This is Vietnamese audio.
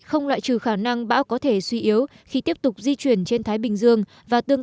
không loại trừ khả năng bão có thể suy yếu khi tiếp tục di chuyển trên thái bình dương và tương